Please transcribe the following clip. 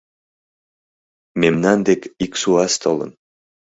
— Мемнан дек ик суас толын.